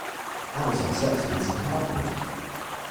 I was accepted into Harvard!